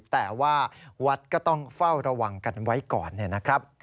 แต่ว่าวัดก็ต้องเฝ้าระวังกันไว้ก่อนนะครับ